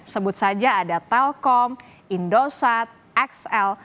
sebut saja ada telkom indosat xl